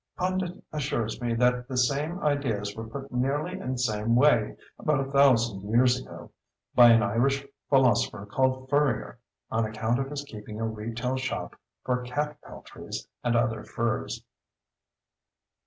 Pundit assures me that the same ideas were put nearly in the same way, about a thousand years ago, by an Irish philosopher called Furrier, on account of his keeping a retail shop for cat peltries and other furs.